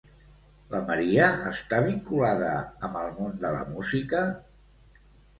La Maria està vinculada amb el món de la música?